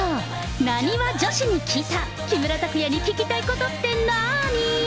なにわ女子に聞いた、木村拓哉に聞きたいことってなーに？